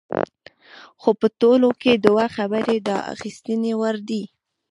خو په ټوله کې دوه خبرې د اخیستنې وړ دي.